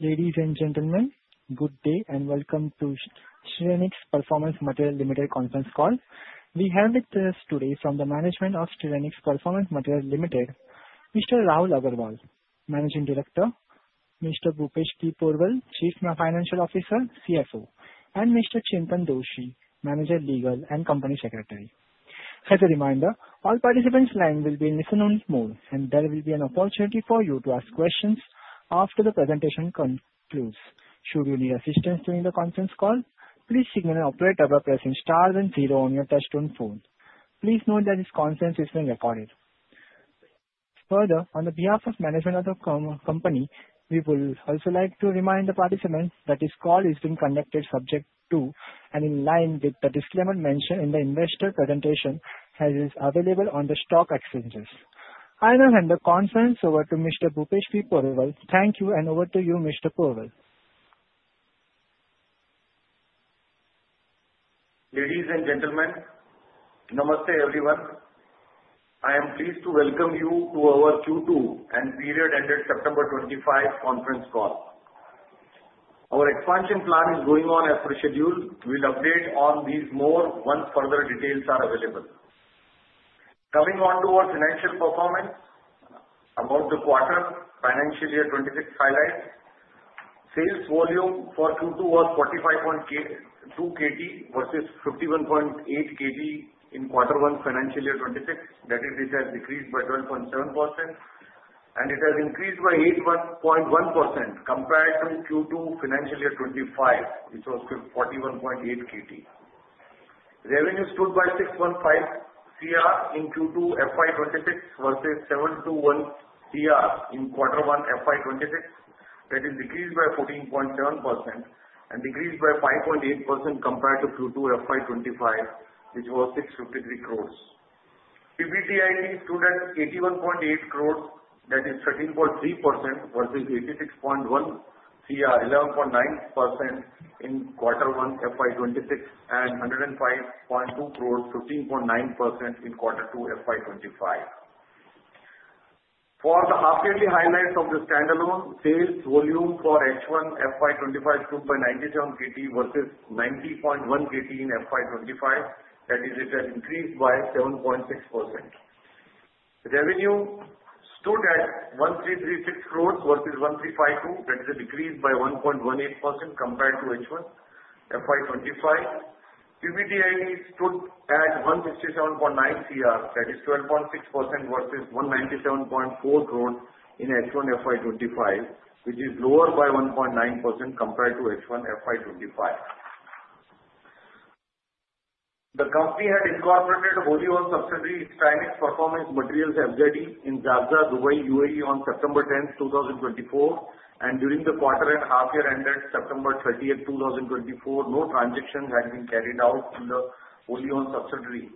Ladies, and gentlemen, good day and welcome to Styrenix Performance Materials Limited Conference Call. We have with us today from the management of Styrenix Performance Materials Limited, Mr. Rahul Agarwal, Managing Director; Mr. Bhupesh Porwal, Chief Financial Officer, CFO; and Mr. Chintan Doshi, Manager, Legal and Company Secretary. As a reminder, all participants' lines will be muted, and there will be an opportunity for you to ask questions after the presentation concludes. Should you need assistance during the conference call, please press star then zero on your touch-tone phone. Please note that this conference is being recorded. Further, on behalf of management of the company, we would also like to remind the participants that this call is being conducted subject to and in line with the disclaimer mentioned in the investor presentation as it is available on the stock exchanges. I now hand the conference over to Mr. Bhupesh Porwal, thank you, and over to you, Mr. Porwal. Ladies, and gentlemen, Namaste everyone. I am pleased to welcome you to our Q2 and period-ended September 2025 conference call. Our expansion plan is going on as per schedule. We will update on these more once further details are available. Coming on to our financial performance about the quarter financial year 2026 highlights, sales volume for Q2 was 45.2 KT versus 51.8 KT in quarter one financial year 2026. That is, it has decreased by 12.7%, and it has increased by 8.1% compared to Q2 financial year 25, which was 41.8 KT. Revenues stood by 615 CR in Q2 FY 2026 versus 721 CR in quarter one FY 2026. That is, decreased by 14.7% and decreased by 5.8% compared to Q2 FY 2025, which was 653 crores. PBDIT stood at 81.8 crores, that is 13.3% versus 86.1 crores, 11.9% in quarter one FY 2026, and 105.2 crores, 15.9% in quarter two FY 2025. For the half-yearly highlights of the standalone sales volume for H1 FY 2025 stood at 97 KT versus 90.1 KT in FY 2025. That is, it has increased by 7.6%. Revenue stood at 1336 crores versus 1352 crores, that is a decrease by 1.18% compared to H1 FY 2025. PBDIT stood at 167.9 crores, that is 12.6% versus 197.4 crores in H1 FY 2025, which is lower by 1.9% compared to H1 FY 2025. The company had incorporated a wholly owned subsidiary, Styrenix Performance Materials FZE, in Jafza, Dubai, UAE on September 10, 2024, and during the quarter and half-year ended September 30, 2024, no transactions had been carried out in the wholly owned subsidiary.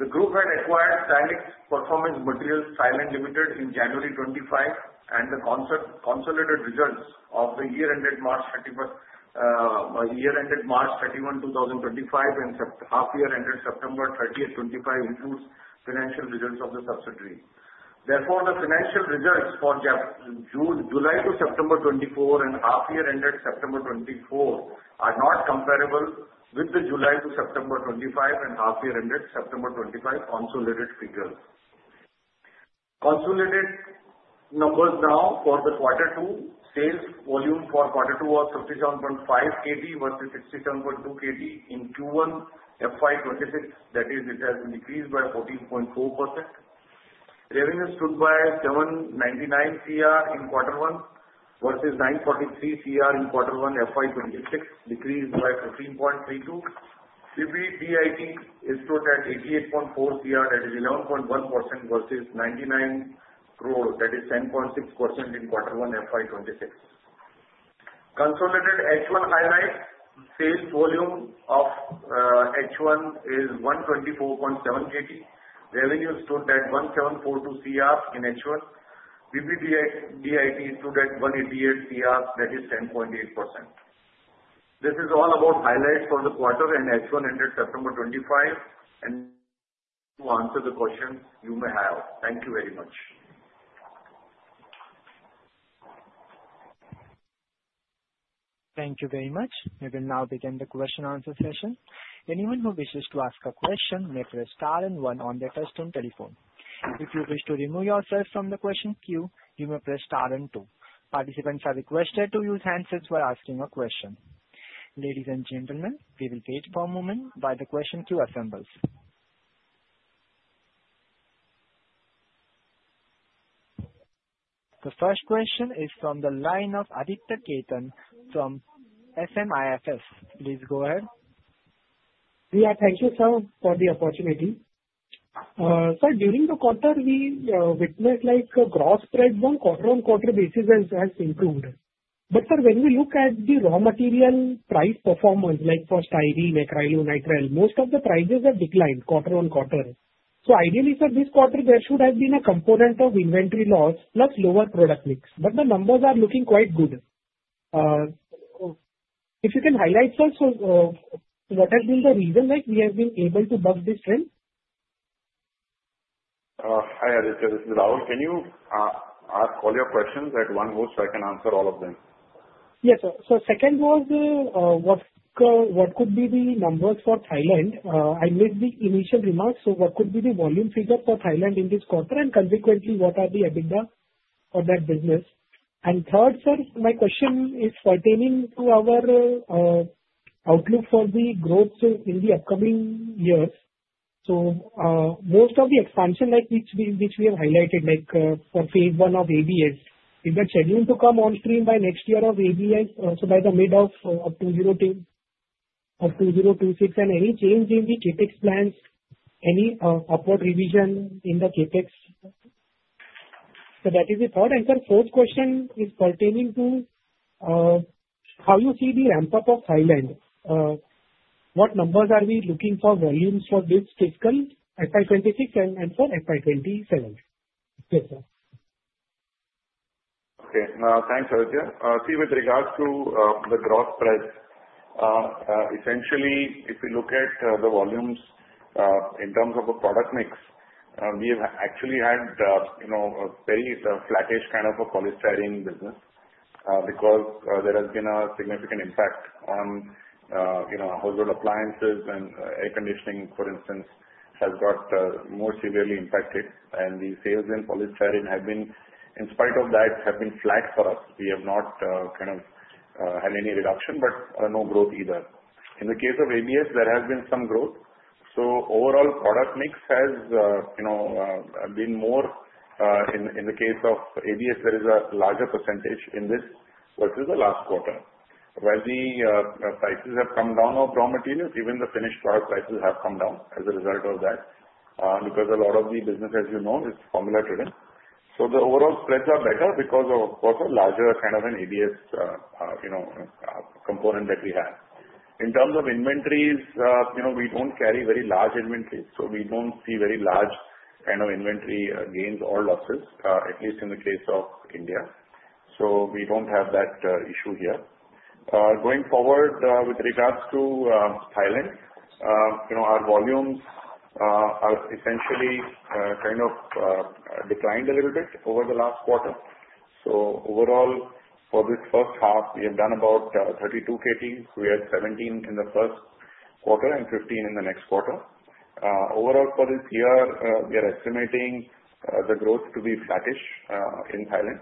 The group had acquired Styrenix Performance Materials Thailand Limited in January 2025, and the consolidated results of the year-ended March 31, 2025, and half-year ended September 30, 2025 includes financial results of the subsidiary. Therefore, the financial results for July to September 2024 and half-year ended September 2024 are not comparable with the July to September 2025 and half-year ended September 2025 consolidated figures. Consolidated numbers now for the quarter two, sales volume for quarter two was 57.5 KT versus 67.2 KT in Q1 FY 2026, that is, it has decreased by 14.4%. Revenue stood by 799 crore in quarter one versus 943 crore in quarter one FY 2026, decreased by 15.32%. PBDIT stood at 88.4 crore, that is 11.1% versus 99 crore, that is 10.6% in quarter one FY 2026. Consolidated H1 highlight, sales volume of H1 is 124.7 KT. Revenue stood at 1,742 crore in H1. PBDIT stood at 188 CR, that is 10.8%. This is all about highlights for the quarter and H1 ended September 25, and to answer the questions you may have. Thank you very much. Thank you very much. We will now begin the question-answer session. Anyone who wishes to ask a question may press star and one on their touch-tone telephone. If you wish to remove yourself from the question queue, you may press star and two. Participants are requested to use handsets while asking a question. Ladies, and gentlemen, we will wait for a moment while the question queue assembles. The first question is from the line of Aditya Khetan from SMIFS. Please go ahead. Yeah, thank you, sir, for the opportunity. Sir, during the quarter, we witnessed like a growth spread on quarter-on-quarter basis has improved. But sir, when we look at the raw material price performance, like for styrene, acrylonitrile, most of the prices have declined quarter-on-quarter. So ideally, sir, this quarter there should have been a component of inventory loss plus lower product mix, but the numbers are looking quite good. If you can highlight, sir, so what has been the reason that we have been able to buck this trend? Hi, Aditya, this is Rahul. Can you ask all your questions at one go so I can answer all of them? Yes, sir. So second was what could be the numbers for Thailand? I made the initial remarks, so what could be the volume figure for Thailand in this quarter, and consequently, what are the EBITDA on that business? And third, sir, my question is pertaining to our outlook for the growth in the upcoming years. So most of the expansion which we have highlighted, like for phase one of ABS, is that scheduled to come on stream by next year of ABS, so by the mid of 2026? And any change in the capex plans, any upward revision in the capex? So that is the third. And sir, fourth question is pertaining to how you see the ramp-up of Thailand. What numbers are we looking for volumes for this fiscal FY 2026 and for FY 2027? Thank you. Okay. Thanks, Aditya. See, with regards to the growth spread, essentially, if you look at the volumes in terms of a product mix, we have actually had a very flattish kind of a polystyrene business because there has been a significant impact on household appliances, and air conditioning, for instance, has got more severely impacted, and the sales in polystyrene have been, in spite of that, flat for us. We have not kind of had any reduction, but no growth either. In the case of ABS, there has been some growth so overall, product mix has been more. In the case of ABS, there is a larger percentage in this versus the last quarter. While the prices have come down of raw materials, even the finished product prices have come down as a result of that because a lot of the business, as you know, is formula-driven. So the overall spreads are better because of a larger kind of an ABS component that we have. In terms of inventories, we don't carry very large inventories, so we don't see very large kind of inventory gains or losses, at least in the case of India. So we don't have that issue here. Going forward, with regards to Thailand, our volumes have essentially kind of declined a little bit over the last quarter. So overall, for this first half, we have done about 32 KT. We had 17 in the first quarter and 15 in the next quarter. Overall, for this year, we are estimating the growth to be flattish in Thailand.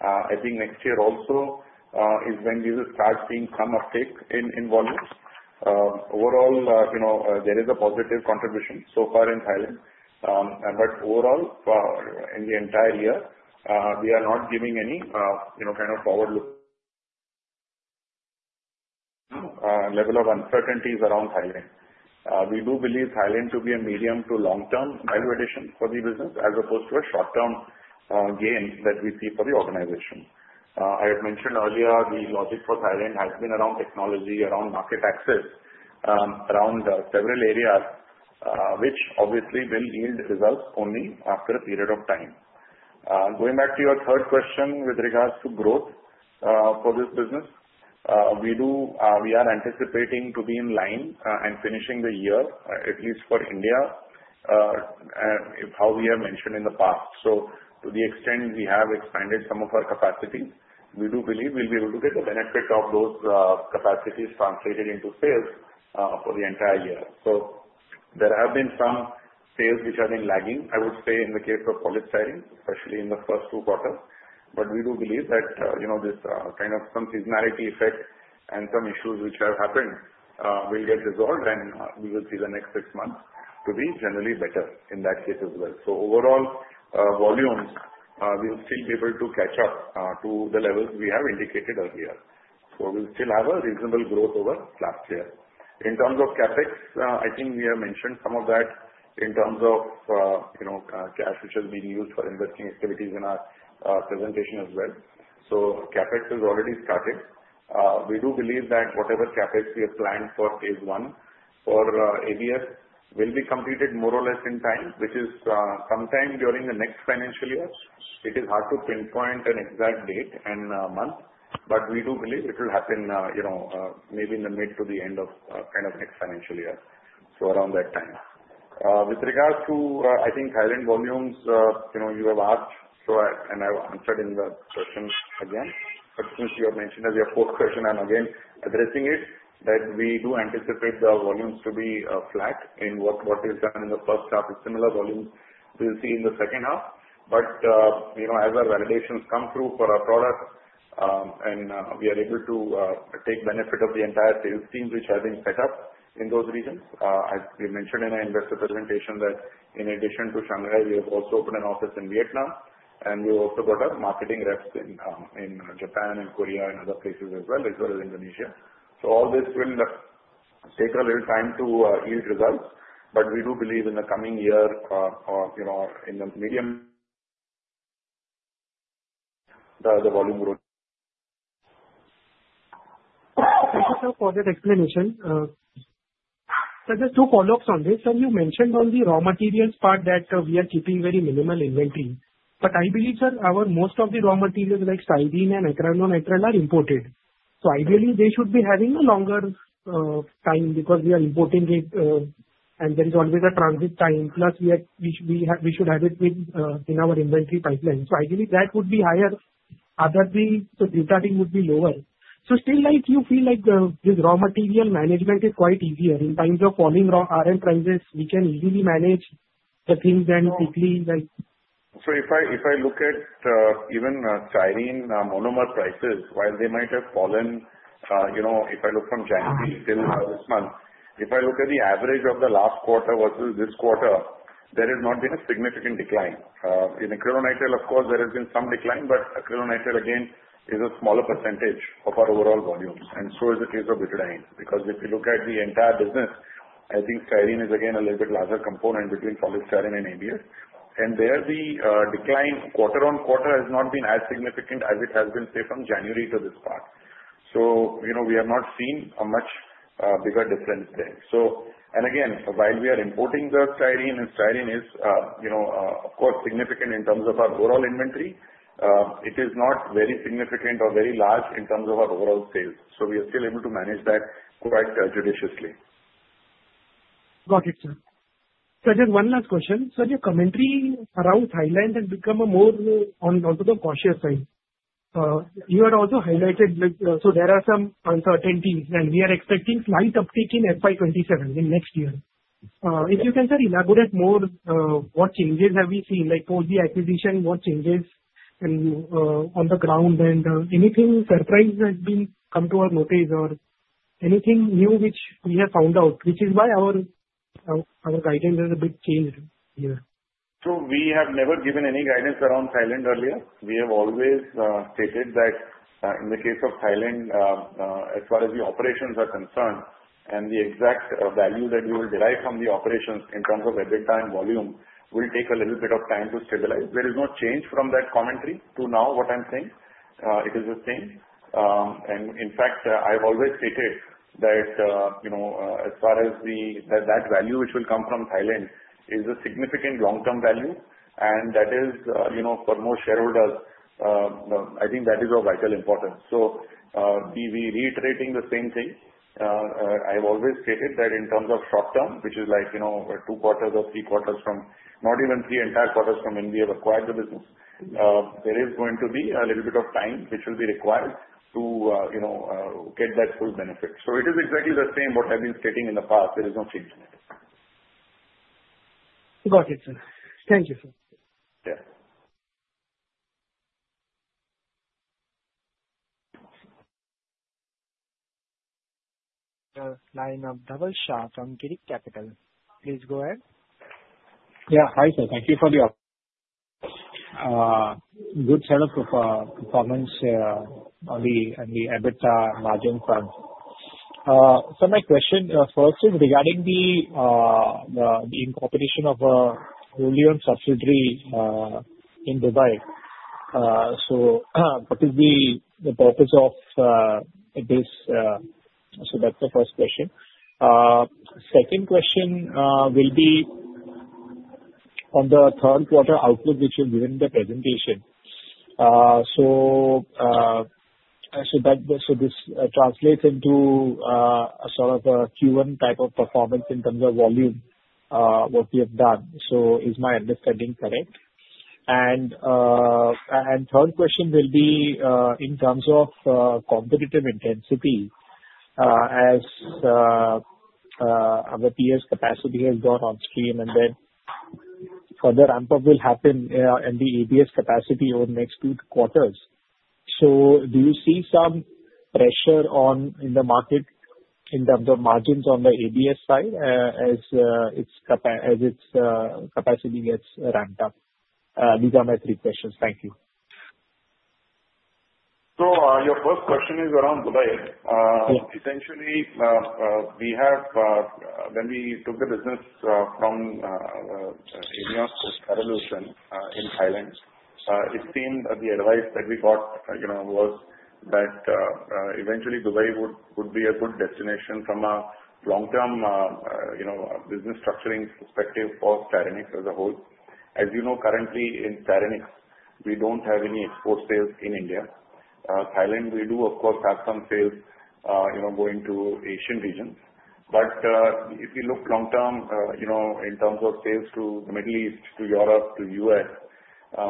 I think next year also is when we will start seeing some uptake in volumes. Overall, there is a positive contribution so far in Thailand, but overall, in the entire year, we are not giving any kind of forward-looking level of uncertainties around Thailand. We do believe Thailand to be a medium to long-term value addition for the business as opposed to a short-term gain that we see for the organization. I had mentioned earlier the logic for Thailand has been around technology, around market access, around several areas, which obviously will yield results only after a period of time. Going back to your third question with regards to growth for this business, we are anticipating to be in line and finishing the year, at least for India, how we have mentioned in the past. So to the extent we have expanded some of our capacities, we do believe we'll be able to get the benefit of those capacities translated into sales for the entire year. So there have been some sales which have been lagging, I would say, in the case of polystyrene, especially in the first two quarters. But we do believe that this kind of some seasonality effect and some issues which have happened will get resolved, and we will see the next six months to be generally better in that case as well. So overall, volumes, we will still be able to catch up to the levels we have indicated earlier. So we'll still have a reasonable growth over last year. In terms of capex, I think we have mentioned some of that in terms of cash which has been used for investing activities in our presentation as well. Capex has already started. We do believe that whatever capex we have planned for phase one for ABS will be completed more or less in time, which is sometime during the next financial year. It is hard to pinpoint an exact date and month, but we do believe it will happen maybe in the mid to the end of kind of next financial year, so around that time. With regards to, I think, Thailand volumes, you have asked, and I've answered in the question again, but since you have mentioned as your fourth question, I'm again addressing it, that we do anticipate the volumes to be flat in what is done in the first half. Similar volumes we'll see in the second half. But as our validations come through for our product, and we are able to take benefit of the entire sales teams which have been set up in those regions. As we mentioned in our investor presentation, that in addition to Shanghai, we have also opened an office in Vietnam, and we've also got our marketing reps in Japan and Korea and other places as well, as well as Indonesia. So all this will take a little time to yield results, but we do believe in the coming year, in the medium, the volume growth. Thank you, sir, for that explanation. Sir, just two follow-ups on this. Sir, you mentioned on the raw materials part that we are keeping very minimal inventory. But I believe, sir, most of the raw materials like styrene and acrylonitrile are imported. So ideally, they should be having a longer time because we are importing it, and there is always a transit time. Plus, we should have it in our inventory pipeline. So ideally, that would be higher. Other things, the due timing would be lower. So still, you feel like this raw material management is quite easier. In times of falling RM prices, we can easily manage the things then quickly. So if I look at even styrene monomer prices, while they might have fallen, if I look from January till this month, if I look at the average of the last quarter versus this quarter, there has not been a significant decline. In acrylonitrile, of course, there has been some decline, but acrylonitrile, again, is a smaller percentage of our overall volumes. And so is the case of butadiene. Because if you look at the entire business, I think styrene is again a little bit larger component between polystyrene and ABS. And there, the decline quarter on quarter has not been as significant as it has been, say, from January to this part. So we have not seen a much bigger difference there. Again, while we are importing the styrene, and styrene is, of course, significant in terms of our overall inventory, it is not very significant or very large in terms of our overall sales. So we are still able to manage that quite judiciously. Got it, sir. Sir, just one last question. Sir, your commentary around Thailand has become more on the cautious side. You had also highlighted that there are some uncertainties, and we are expecting slight uptake in FY 2027 in next year. If you can, sir, elaborate more what changes have we seen, like all the acquisition, what changes on the ground, and anything surprise has come to our notice, or anything new which we have found out, which is why our guidance has a bit changed here? So we have never given any guidance around Thailand earlier. We have always stated that in the case of Thailand, as far as the operations are concerned, and the exact value that you will derive from the operations in terms of added tonnage volume will take a little bit of time to stabilize. There is no change from that commentary to now what I'm saying. It is the same. And in fact, I've always stated that as far as that value which will come from Thailand is a significant long-term value, and that is for most shareholders, I think that is of vital importance. So we're reiterating the same thing. I've always stated that in terms of short-term, which is like two quarters or three quarters from, not even three entire quarters from when we have acquired the business, there is going to be a little bit of time which will be required to get that full benefit. So it is exactly the same what I've been stating in the past. There is no change in it. Got it, sir. Thank you, sir. Yeah. Line of Dhaval Shah from Girik Capital. Please go ahead. Yeah. Hi, sir. Thank you for the good set of comments on the EBITDA margin front. So my first question is regarding the incorporation of a wholly owned subsidiary in Dubai. So what is the purpose of this? So that's the first question. Second question will be on the third quarter outlook which you've given in the presentation. So this translates into a sort of a Q1 type of performance in terms of volume, what we have done. So is my understanding correct? And third question will be in terms of competitive intensity as our ABS capacity has come on stream, and then further ramp-up will happen in the ABS capacity over the next two quarters. So do you see some pressure in the market in terms of margins on the ABS side as its capacity gets ramped up? These are my three questions. Thank you. Your first question is around Dubai. Essentially, when we took the business from INEOS Styrolution in Thailand, it seemed that the advice that we got was that eventually Dubai would be a good destination from a long-term business structuring perspective for Styrenix as a whole. As you know, currently in Styrenix, we don't have any export sales in India. Thailand, we do, of course, have some sales going to Asian regions. But if you look long-term in terms of sales to the Middle East, to Europe, to the U.S.,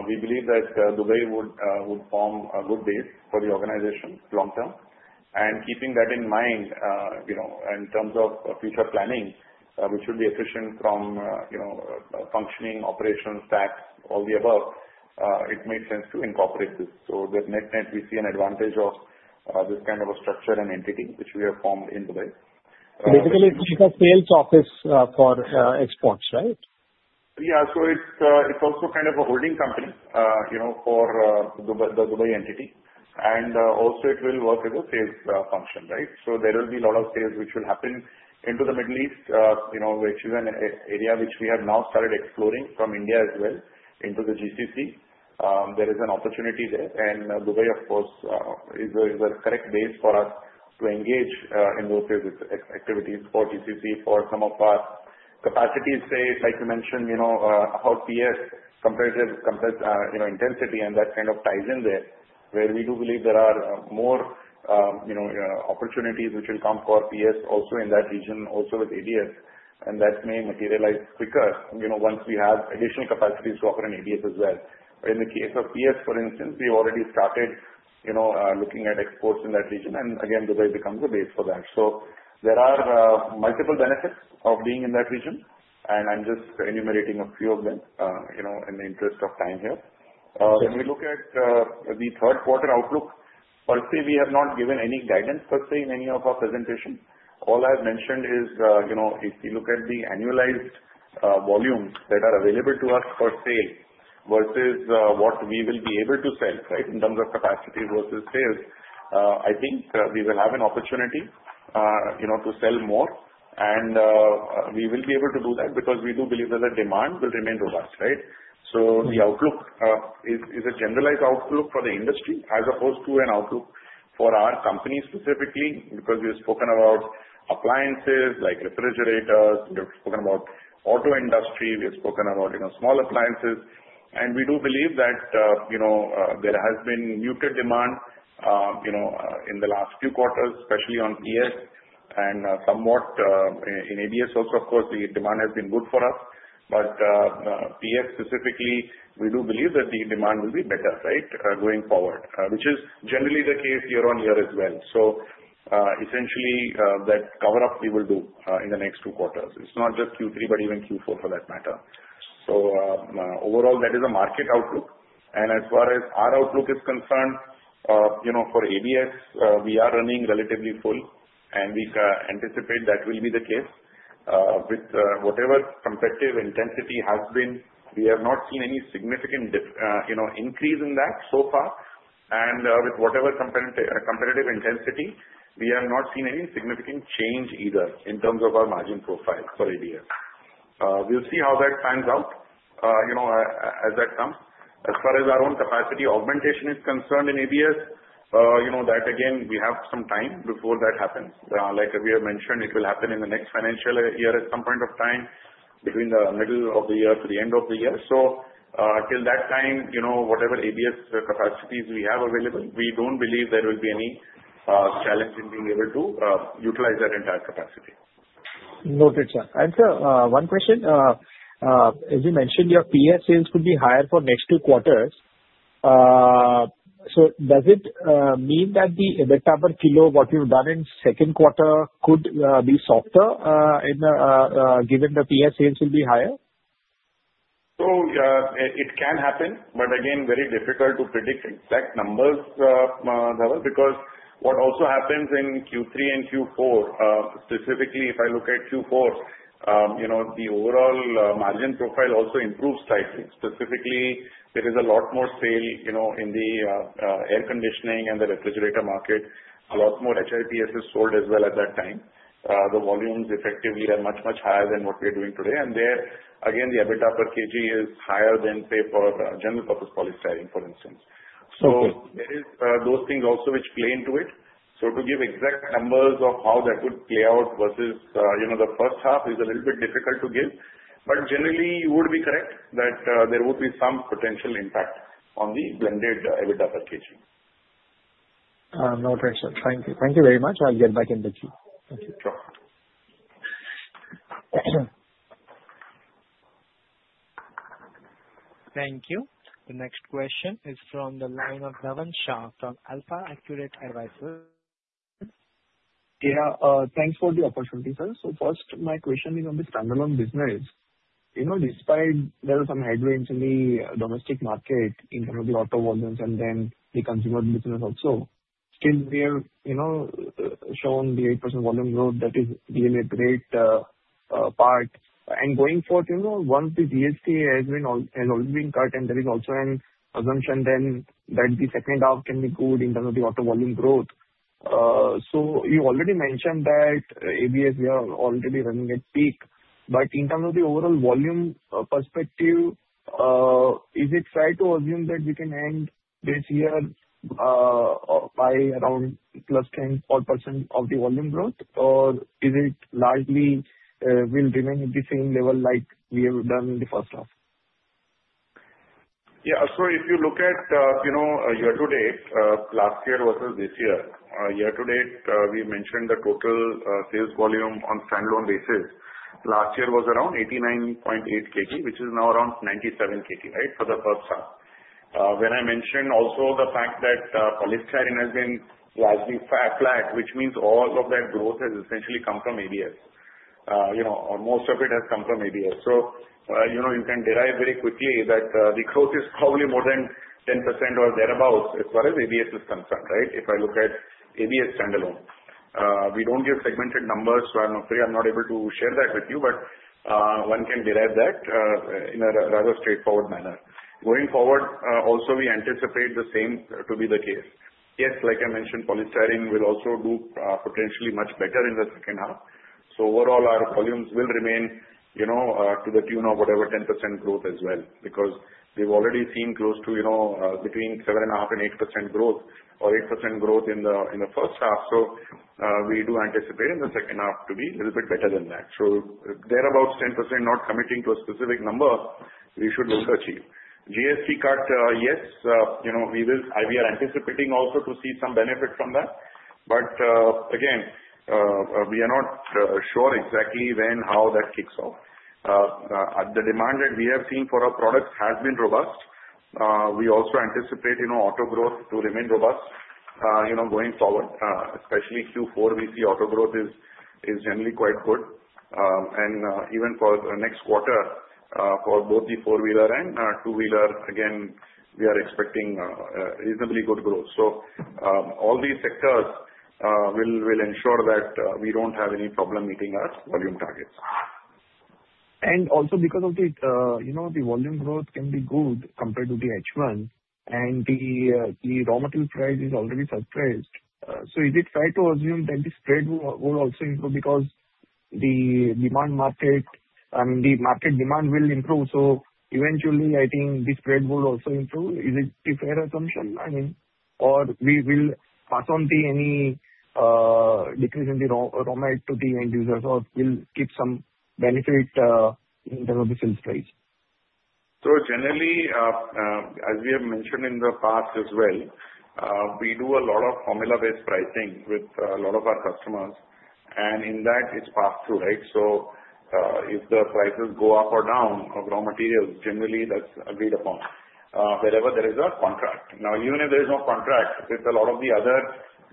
we believe that Dubai would form a good base for the organization long-term. And keeping that in mind in terms of future planning, which would be efficient from functioning, operations, tax, all the above, it makes sense to incorporate this. So that net-net, we see an advantage of this kind of a structure and entity which we have formed in Dubai. Basically, it's like a sales office for exports, right? Yeah. So it's also kind of a holding company for the Dubai entity. And also, it will work as a sales function, right? So there will be a lot of sales which will happen into the Middle East, which is an area which we have now started exploring from India as well into the GCC. There is an opportunity there. And Dubai, of course, is a correct base for us to engage in those activities for GCC, for some of our capacities, say, like you mentioned, how PS, comparative intensity, and that kind of ties in there, where we do believe there are more opportunities which will come for PS also in that region, also with ABS, and that may materialize quicker once we have additional capacities to operate in ABS as well. In the case of PS, for instance, we've already started looking at exports in that region, and again, Dubai becomes a base for that. So there are multiple benefits of being in that region, and I'm just enumerating a few of them in the interest of time here. When we look at the third quarter outlook, firstly, we have not given any guidance, firstly, in any of our presentations. All I've mentioned is if you look at the annualized volumes that are available to us for sale versus what we will be able to sell, right, in terms of capacity versus sales, I think we will have an opportunity to sell more, and we will be able to do that because we do believe that the demand will remain robust, right? The outlook is a generalized outlook for the industry as opposed to an outlook for our company specifically because we have spoken about appliances like refrigerators. We have spoken about auto industry. We have spoken about small appliances. And we do believe that there has been muted demand in the last few quarters, especially on PS, and somewhat in ABS also, of course, the demand has been good for us. But PS specifically, we do believe that the demand will be better, right, going forward, which is generally the case year on year as well. So essentially, that cover-up we will do in the next two quarters. It's not just Q3, but even Q4 for that matter. So overall, that is a market outlook. And as far as our outlook is concerned, for ABS, we are running relatively full, and we anticipate that will be the case. With whatever competitive intensity has been, we have not seen any significant increase in that so far. And with whatever competitive intensity, we have not seen any significant change either in terms of our margin profile for ABS. We'll see how that pans out as that comes. As far as our own capacity augmentation is concerned in ABS, that again, we have some time before that happens. Like we have mentioned, it will happen in the next financial year at some point of time between the middle of the year to the end of the year. So till that time, whatever ABS capacities we have available, we don't believe there will be any challenge in being able to utilize that entire capacity. Noted, sir. And sir, one question. As you mentioned, your PS sales could be higher for next two quarters. So does it mean that the EBITDA per kilo, what you've done in second quarter, could be softer given the PS sales will be higher? So it can happen, but again, very difficult to predict exact numbers, Dhaval, because what also happens in Q3 and Q4, specifically if I look at Q4, the overall margin profile also improves slightly. Specifically, there is a lot more sales in the air conditioning and the refrigerator market. A lot more HIPS is sold as well at that time. The volumes effectively are much, much higher than what we are doing today, and there, again, the EBITDA per kg is higher than, say, for general-purpose polystyrene, for instance. So there are those things also which play into it, so to give exact numbers of how that would play out versus the first half is a little bit difficult to give, but generally, you would be correct that there would be some potential impact on the blended EBITDA per kg. No pressure. Thank you very much. I'll get back in touch with you. Thank you. Sure. Thank you. The next question is from the line of Dhavan Shah from AlfAccurate Advisors. Yeah. Thanks for the opportunity, sir. So first, my question is on the standalone business. Despite there being some headwinds in the domestic market in terms of the auto volumes and then the consumer business also, still we have shown the 8% volume growth that is really a great part. And going forward, once the GST has already been cut, and there is also an assumption then that the second half can be good in terms of the auto volume growth. So you already mentioned that ABS, we are already running at peak. But in terms of the overall volume perspective, is it fair to assume that we can end this year by around plus 10% of the volume growth, or is it likely we'll remain at the same level like we have done in the first half? Yeah. If you look at year-to-date, last year versus this year, year-to-date, we mentioned the total sales volume on standalone basis last year was around 89.8 KT, which is now around 97 KT, right, for the first half. When I mentioned also the fact that polystyrene has been largely flat, which means all of that growth has essentially come from ABS, or most of it has come from ABS. You can derive very quickly that the growth is probably more than 10% or thereabouts as far as ABS is concerned, right, if I look at ABS standalone. We don't give segmented numbers, so I'm not able to share that with you, but one can derive that in a rather straightforward manner. Going forward, also, we anticipate the same to be the case. Yes, like I mentioned, polystyrene will also do potentially much better in the second half. So overall, our volumes will remain to the tune of whatever 10% growth as well because we've already seen close to between 7.5% and 8% growth or 8% growth in the first half. We do anticipate in the second half to be a little bit better than that. So thereabouts 10%, not committing to a specific number, we should look to achieve. GST cut, yes, we will. We are anticipating also to see some benefit from that. But again, we are not sure exactly when, how that kicks off. The demand that we have seen for our products has been robust. We also anticipate auto growth to remain robust going forward. Especially Q4, we see auto growth is generally quite good. And even for the next quarter, for both the four-wheeler and two-wheeler, again, we are expecting reasonably good growth. All these sectors will ensure that we don't have any problem meeting our volume targets. And also because of the volume growth can be good compared to the H1, and the raw material price is already stabilized. So is it fair to assume that the spread will also improve because the demand market, I mean, the market demand will improve. So eventually, I think the spread will also improve. Is it a fair assumption? I mean, or we will pass on to any decrease in the raw material to the end users, or we'll keep some benefit in terms of the sales price? So generally, as we have mentioned in the past as well, we do a lot of formula-based pricing with a lot of our customers. And in that, it's passed through, right? So if the prices go up or down of raw materials, generally, that's agreed upon wherever there is a contract. Now, even if there is no contract, with a lot of the other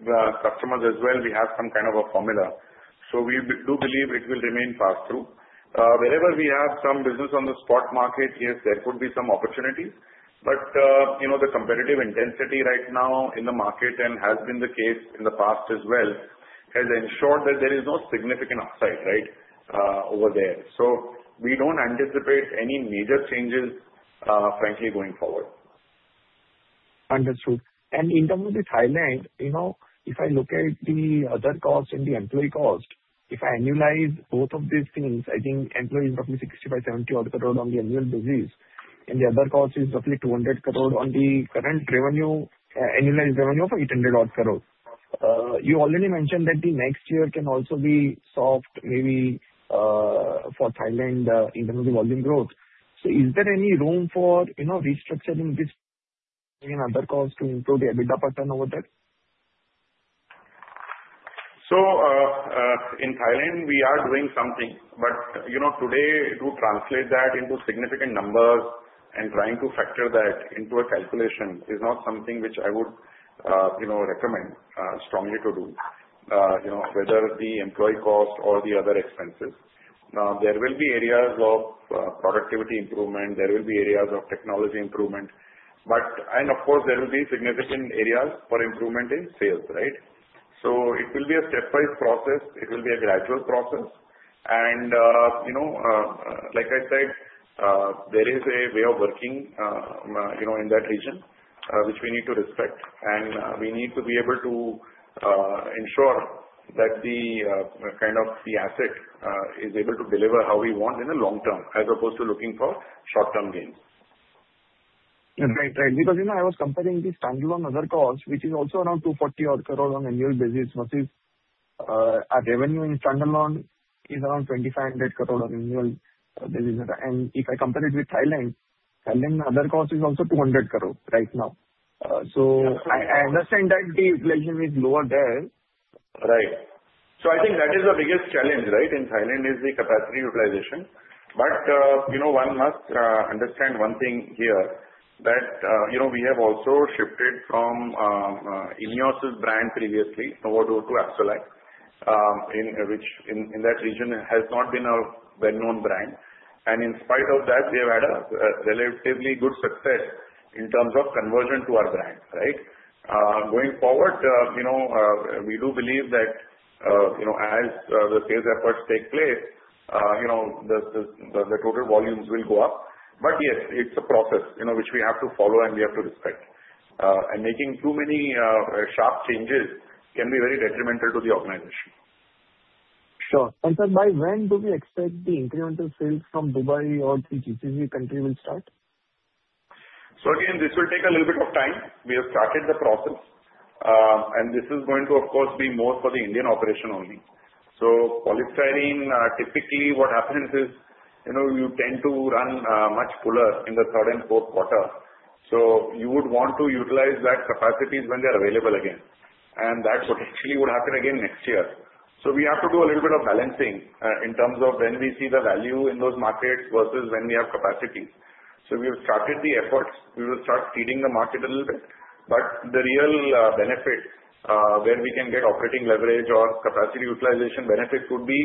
customers as well, we have some kind of a formula. So we do believe it will remain passed through. Wherever we have some business on the spot market, yes, there could be some opportunity. But the competitive intensity right now in the market, and has been the case in the past as well, has ensured that there is no significant upside, right, over there. So we don't anticipate any major changes, frankly, going forward. Understood. In terms of the Thailand, if I look at the other costs and the employee cost, if I annualize both of these things, I think employees roughly 65-70-odd crore on the annual basis, and the other cost is roughly 200 crore on the current revenue, annualized revenue of 800-odd crore. You already mentioned that the next year can also be soft, maybe for Thailand in terms of the volume growth. So is there any room for restructuring this and other costs to improve the EBITDA pattern over there? So in Thailand, we are doing something. But today, to translate that into significant numbers and trying to factor that into a calculation is not something which I would recommend strongly to do, whether the employee cost or the other expenses. Now, there will be areas of productivity improvement. There will be areas of technology improvement. And of course, there will be significant areas for improvement in sales, right? So it will be a stepwise process. It will be a gradual process. And like I said, there is a way of working in that region which we need to respect. And we need to be able to ensure that the kind of the asset is able to deliver how we want in the long term as opposed to looking for short-term gains. That's very interesting because I was comparing the standalone other costs, which is also around 240 crore on annual basis, versus our revenue in standalone is around 2500 crore on annual basis. And if I compare it with Thailand, Thailand's other cost is also 200 crore right now. So I understand that the inflation is lower there. Right. So I think that is the biggest challenge, right, in Thailand is the capacity utilization. But one must understand one thing here that we have also shifted from INEOS's brand previously, Novodur to Absolac, which in that region has not been a well-known brand. And in spite of that, we have had a relatively good success in terms of conversion to our brand, right? Going forward, we do believe that as the sales efforts take place, the total volumes will go up. But yes, it's a process which we have to follow and we have to respect. And making too many sharp changes can be very detrimental to the organization. Sure. And sir, by when do we expect the incremental sales from Dubai or the GCC country will start? So again, this will take a little bit of time. We have started the process. And this is going to, of course, be more for the Indian operation only. So polystyrene, typically what happens is you tend to run much fuller in the third and fourth quarter. So you would want to utilize that capacity when they're available again. And that potentially would happen again next year. So we have to do a little bit of balancing in terms of when we see the value in those markets versus when we have capacity. So we have started the efforts. We will start feeding the market a little bit. But the real benefit where we can get operating leverage or capacity utilization benefits would be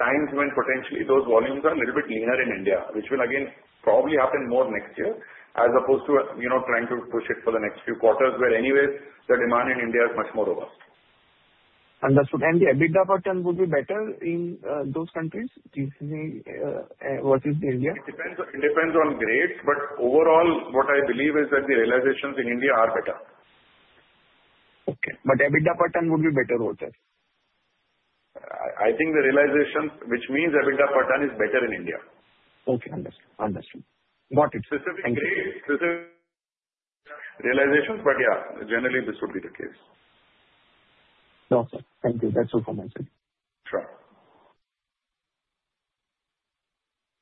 times when potentially those volumes are a little bit leaner in India, which will again probably happen more next year as opposed to trying to push it for the next few quarters where anyways the demand in India is much more robust. Understood. And the EBITDA pattern would be better in those countries versus the India? It depends on grade. But overall, what I believe is that the realizations in India are better. Okay, but EBITDA pattern would be better over there? I think the realizations, which means EBITDA pattern is better in India. Okay. Understood. Got it. Specific grade specific realizations, but yeah, generally this would be the case. Sure, sir. Thank you. That's all from my side. Sure.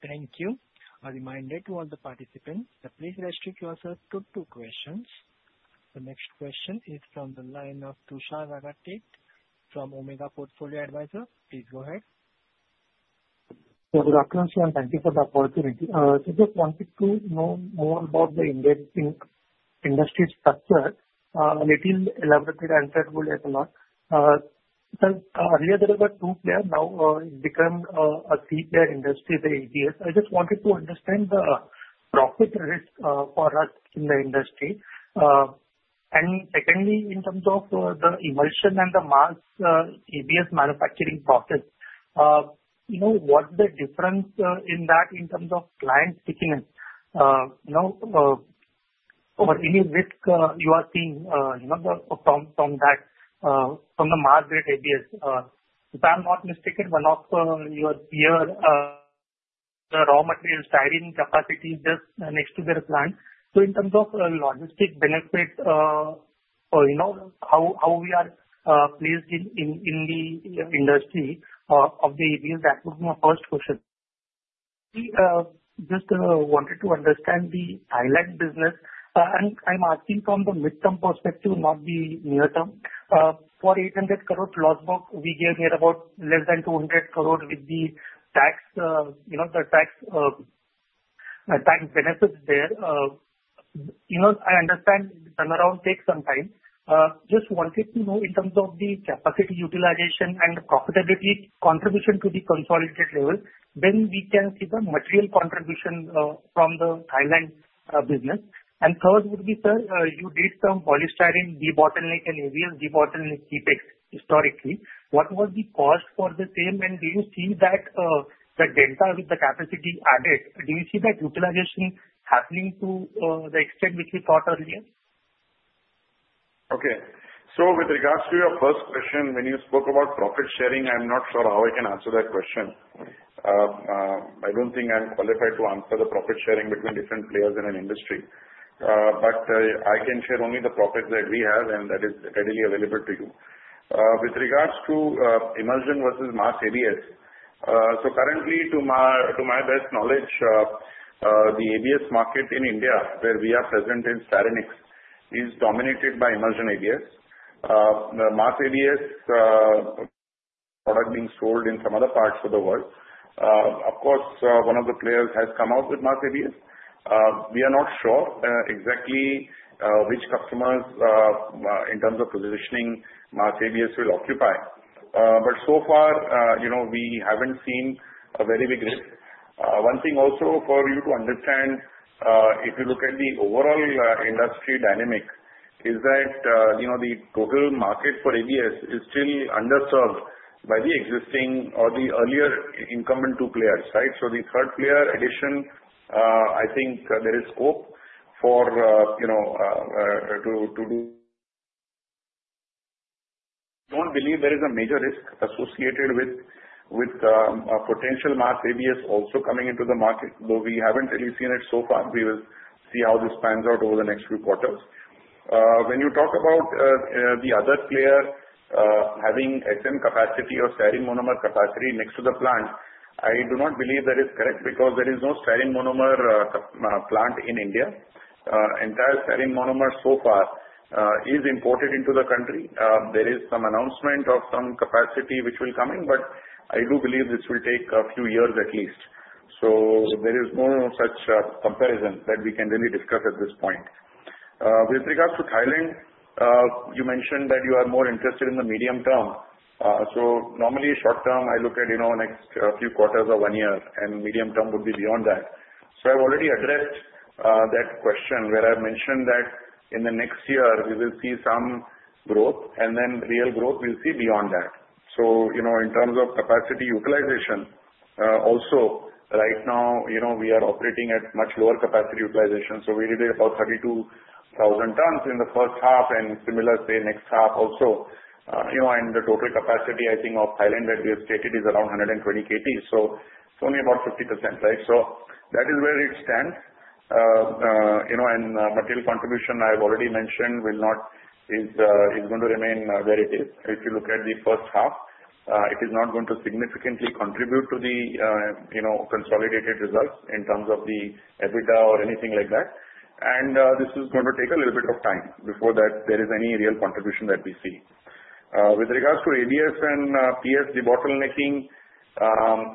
Thank you. A reminder to all the participants, please restrict yourselves to two questions. The next question is from the line of Tushar Raghatate from Omega Portfolio Advisors. Please go ahead. Sir, good afternoon, sir. Thank you for the opportunity. I just wanted to know more about the Indian industry structure. A little elaborated answer would help a lot. Sir, earlier there were two players. Now it's become a three-player industry, the ABS. I just wanted to understand the profit rate for us in the industry. And secondly, in terms of the emulsion and the mass ABS manufacturing process, what's the difference in that in terms of client stickiness or any risk you are seeing from that, from the mass-grade ABS? If I'm not mistaken, one of your peers, the raw material styrene capacity just next to their plant. So in terms of logistic benefit or how we are placed in the industry of the ABS, that would be my first question. Just wanted to understand the Thailand business. And I'm asking from the midterm perspective, not the near term. For 800 crore loss booked, we have here about less than 200 crore with the tax benefits there. I understand turnaround takes some time. Just wanted to know in terms of the capacity utilization and the profitability contribution to the consolidated level, then we can see the material contribution from the Thailand business. Third would be, sir, you did some polystyrene de-bottlenecking and ABS de-bottlenecking efforts historically. What was the cost for the same? And do you see that delta with the capacity added? Do you see that utilization happening to the extent which we thought earlier? Okay, so with regards to your first question, when you spoke about profit sharing, I'm not sure how I can answer that question. I don't think I'm qualified to answer the profit sharing between different players in an industry. But I can share only the profits that we have, and that is readily available to you. With regards to emulsion versus mass ABS, so currently, to my best knowledge, the ABS market in India where we are present in Styrenix is dominated by emulsion ABS. Mass ABS product being sold in some other parts of the world. Of course, one of the players has come out with mass ABS. We are not sure exactly which customers in terms of positioning mass ABS will occupy. But so far, we haven't seen a very big risk. One thing also for you to understand, if you look at the overall industry dynamic, is that the total market for ABS is still underserved by the existing or the earlier incumbent two players, right? So the third player addition, I think there is scope for to do. Don't believe there is a major risk associated with potential mass ABS also coming into the market, though we haven't really seen it so far. We will see how this pans out over the next few quarters. When you talk about the other player having SM capacity or styrene monomer capacity next to the plant, I do not believe that is correct because there is no styrene monomer plant in India. Entire styrene monomers so far is imported into the country. There is some announcement of some capacity which will come in, but I do believe this will take a few years at least. So there is no such comparison that we can really discuss at this point. With regards to Thailand, you mentioned that you are more interested in the medium term. So normally short term, I look at next few quarters of one year, and medium term would be beyond that. So I've already addressed that question where I've mentioned that in the next year, we will see some growth, and then real growth we'll see beyond that. So in terms of capacity utilization, also right now, we are operating at much lower capacity utilization. So we did about 32,000 tons in the first half and similar, say, next half also. And the total capacity, I think, of Thailand that we have stated is around 120 KT. It's only about 50%, right? That is where it stands. Material contribution, I've already mentioned, will not, it's going to remain where it is. If you look at the first half, it is not going to significantly contribute to the consolidated results in terms of the EBITDA or anything like that. This is going to take a little bit of time before that there is any real contribution that we see. With regards to ABS and PS de-bottlenecking,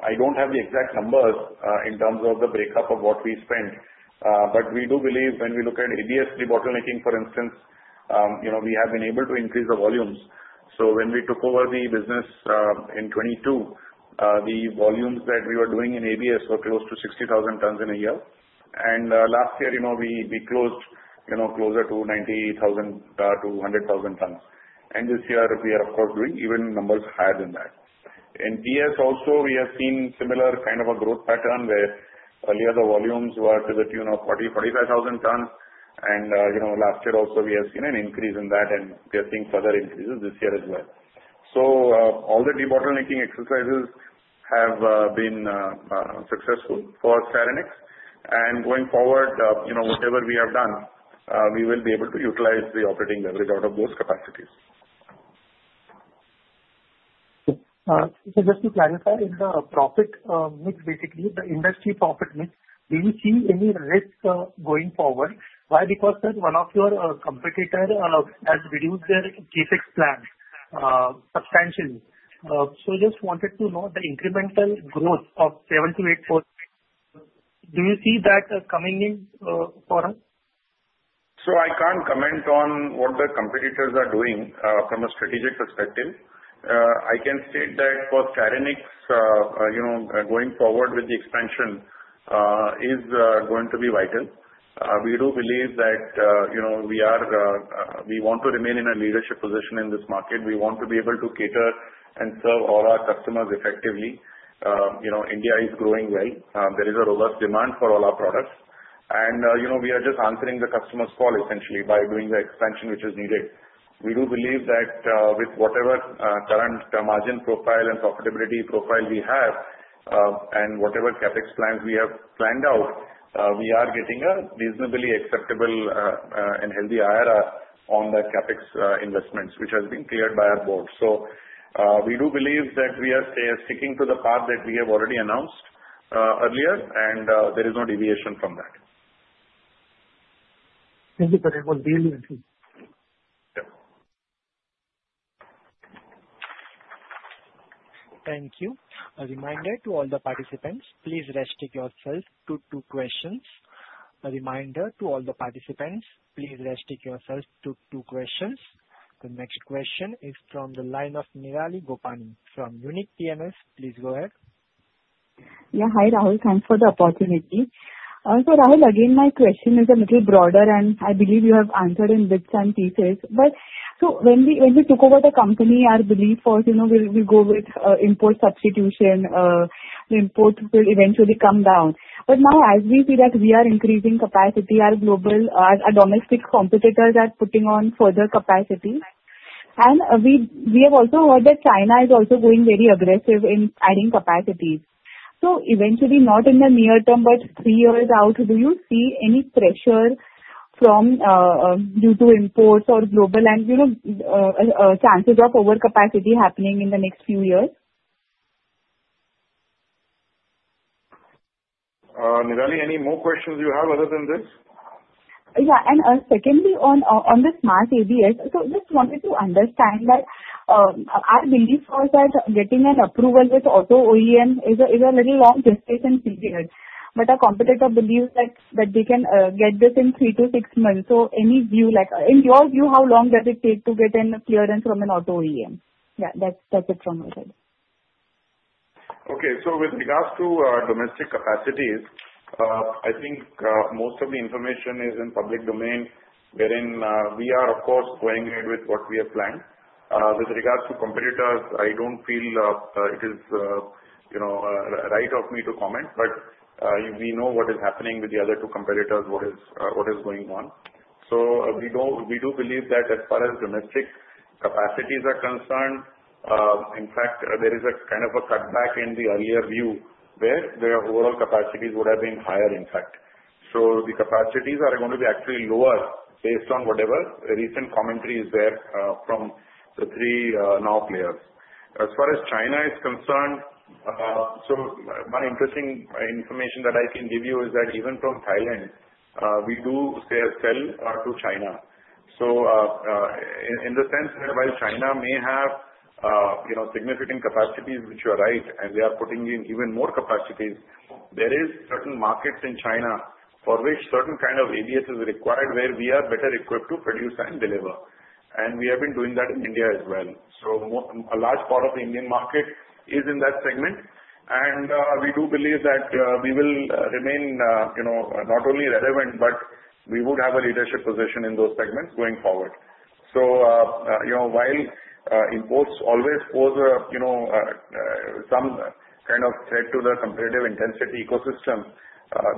I don't have the exact numbers in terms of the breakup of what we spent. But we do believe when we look at ABS de-bottlenecking, for instance, we have been able to increase the volumes. When we took over the business in 2022, the volumes that we were doing in ABS were close to 60,000 tons in a year. Last year, we closed closer to 90,000 to 100,000 tons. This year, we are, of course, doing even numbers higher than that. In PS also, we have seen similar kind of a growth pattern where earlier the volumes were to the tune of 40,000, 45,000 tons. Last year also, we have seen an increase in that, and we are seeing further increases this year as well. All the de-bottlenecking exercises have been successful for Styrenix. Going forward, whatever we have done, we will be able to utilize the operating leverage out of those capacities. So just to clarify, in the profit mix, basically the industry profit mix, do you see any risk going forward? Why? Because one of your competitors has reduced their capex plans substantially. So just wanted to know the incremental growth of 7-8 crore. Do you see that coming in for us? So I can't comment on what the competitors are doing from a strategic perspective. I can state that for Styrenix, going forward with the expansion is going to be vital. We do believe that we want to remain in a leadership position in this market. We want to be able to cater and serve all our customers effectively. India is growing well. There is a robust demand for all our products. And we are just answering the customer's call essentially by doing the expansion which is needed. We do believe that with whatever current margin profile and profitability profile we have and whatever capex plans we have planned out, we are getting a reasonably acceptable and healthy IRR on the capex investments which has been cleared by our board. So we do believe that we are sticking to the path that we have already announced earlier, and there is no deviation from that. Thank you, sir. It was dealing with you. Yeah. Thank you. A reminder to all the participants, please restrict yourselves to two questions. The next question is from the line of Nirali Gopani from Unique PMS. Please go ahead. Yeah. Hi, Rahul. Thanks for the opportunity. So Rahul, again, my question is a little broader, and I believe you have answered in bits and pieces. But so when we took over the company, our belief was we'll go with import substitution. The import will eventually come down. But now, as we see that we are increasing capacity, our domestic competitors are putting on further capacity. And we have also heard that China is also going very aggressive in adding capacity. So eventually, not in the near term, but three years out, do you see any pressure due to imports or global and chances of overcapacity happening in the next few years? Nirali, any more questions you have other than this? Yeah, and secondly, on the Mass ABS, so just wanted to understand that our belief was that getting an approval with Auto OEM is a little long distance in SPL. But our competitor believes that they can get this in three to six months. So any view, in your view, how long does it take to get a clearance from an Auto OEM? Yeah, that's it from my side. Okay. So with regards to domestic capacities, I think most of the information is in public domain wherein we are, of course, going ahead with what we have planned. With regards to competitors, I don't feel it is right of me to comment, but we know what is happening with the other two competitors, what is going on. So we do believe that as far as domestic capacities are concerned, in fact, there is a kind of a cutback in the earlier view where their overall capacities would have been higher, in fact. So the capacities are going to be actually lower based on whatever recent commentaries there from the three now players. As far as China is concerned, so my interesting information that I can give you is that even from Thailand, we do sell to China. So in the sense that while China may have significant capacities, which you are right, and they are putting in even more capacities, there is certain markets in China for which certain kind of ABS is required where we are better equipped to produce and deliver. And we have been doing that in India as well. So a large part of the Indian market is in that segment. And we do believe that we will remain not only relevant, but we would have a leadership position in those segments going forward. So while imports always pose some kind of threat to the competitive intensity ecosystem,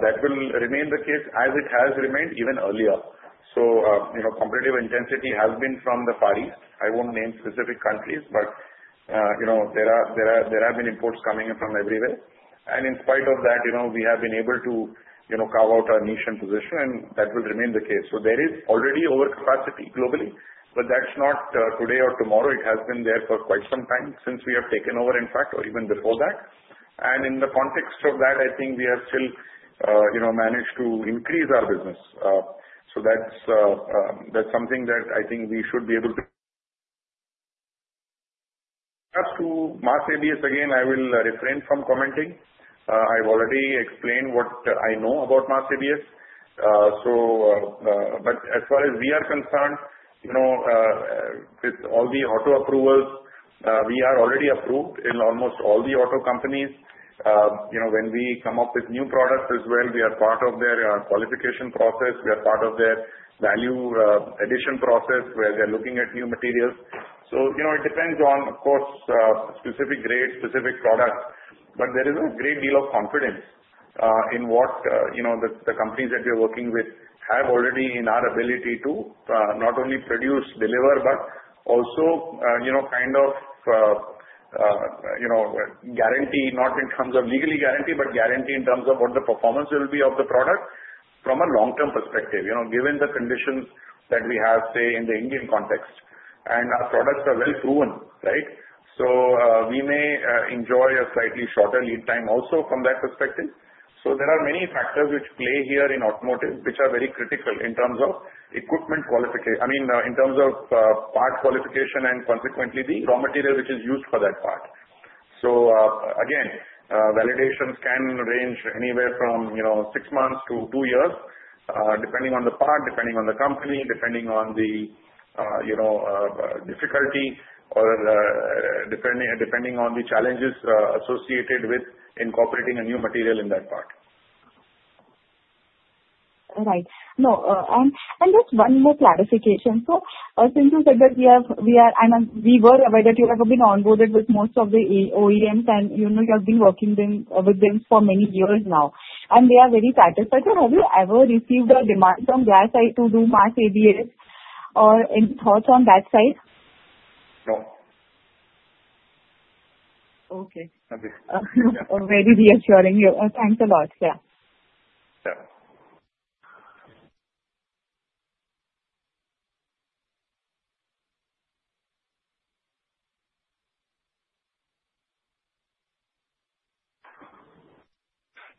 that will remain the case as it has remained even earlier. So competitive intensity has been from the Far East. I won't name specific countries, but there have been imports coming in from everywhere. And in spite of that, we have been able to carve out our niche and position, and that will remain the case. So there is already overcapacity globally, but that's not today or tomorrow. It has been there for quite some time since we have taken over, in fact, or even before that. And in the context of that, I think we have still managed to increase our business. So that's something that I think we should be able to. As to mass ABS, again, I will refrain from commenting. I've already explained what I know about mass ABS. But as far as we are concerned, with all the auto approvals, we are already approved in almost all the auto companies. When we come up with new products as well, we are part of their qualification process. We are part of their value addition process where they're looking at new materials, so it depends on, of course, specific grade, specific product, but there is a great deal of confidence in what the companies that we are working with have already in our ability to not only produce, deliver, but also kind of guarantee, not in terms of legally guarantee, but guarantee in terms of what the performance will be of the product from a long-term perspective, given the conditions that we have, say, in the Indian context, and our products are well proven, right, so we may enjoy a slightly shorter lead time also from that perspective, so there are many factors which play here in automotive, which are very critical in terms of equipment qualification, I mean, in terms of part qualification and consequently the raw material which is used for that part. So again, validations can range anywhere from six months to two years, depending on the part, depending on the company, depending on the difficulty, or depending on the challenges associated with incorporating a new material in that part. All right. No. And just one more clarification. So since you said that we are and we were aware that you have been onboarded with most of the OEMs, and you have been working with them for many years now. And they are very satisfied. So have you ever received a demand from their side to do mass ABS or any thoughts on that side? No. Okay. Thank you. Very reassuring. Thanks a lot. Yeah. Yeah.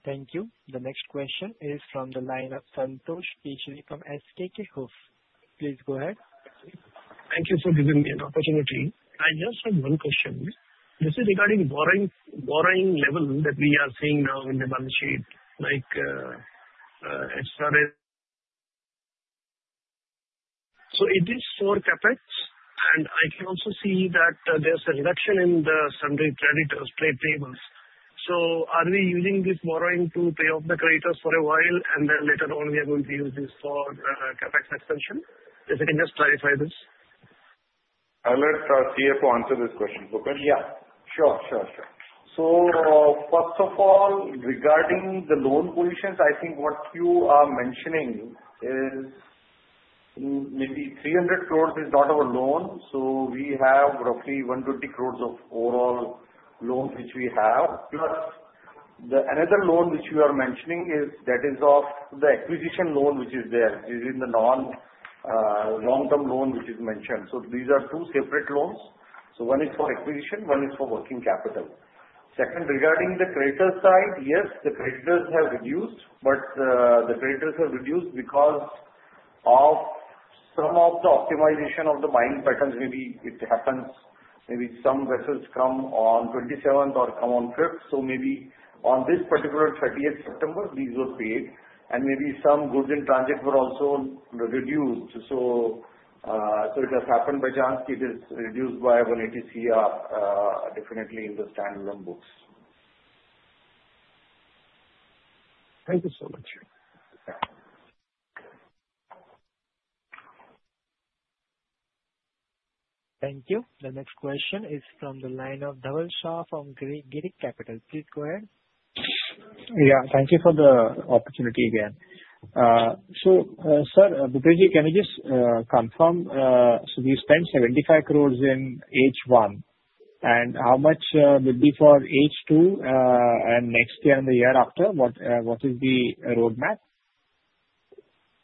Thank you. The next question is from the line of Santosh Keshri from SKK HUF. Please go ahead. Thank you for giving me an opportunity. I just have one question. This is regarding borrowing level that we are seeing now in the balance sheet. So it is for capex, and I can also see that there's a reduction in the supplier credit or trade payables. So are we using this borrowing to pay off the creditors for a while, and then later on, we are going to use this for capex extension? If you can just clarify this. I'll let CFO answer this question, Bhupesh? Yeah. Sure, sure, sure. So first of all, regarding the loan positions, I think what you are mentioning is maybe 300 crores is not our loan. So we have roughly 120 crores of overall loans which we have. Plus, the another loan which we are mentioning is that is of the acquisition loan which is there. This is the non-long-term loan which is mentioned. So these are two separate loans. So one is for acquisition, one is for working capital. Second, regarding the creditor side, yes, the creditors have reduced, but the creditors have reduced because of some of the optimization of the buying patterns. Maybe it happens maybe some vessels come on 27th or come on 5th. So maybe on this particular 30th of September, these were paid. And maybe some goods in transit were also reduced. So it has happened by chance, it is reduced by 180 crores, definitely in the standalone books. Thank you so much. Thank you. The next question is from the line of Dhaval Shah from Girik Capital. Please go ahead. Yeah. Thank you for the opportunity again. So, sir, Bhupesh, can you just confirm? So we spent 75 crores in H1. And how much will be for H2 and next year and the year after? What is the roadmap?